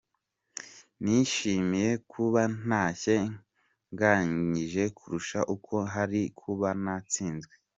Nishimiye kuba ntashye nganyije kurusha uko nari kuba natsinzwe.